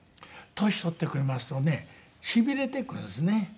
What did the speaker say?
年取ってきますとね痺れてくるんですね。